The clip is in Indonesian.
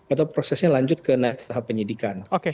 atau prosesnya lanjut ke tahap penyidikan